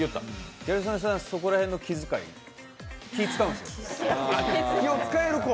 ギャル曽根さん、そこら辺の気遣い気を遣うんですよ。